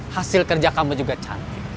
hasil kerja kamu juga cantik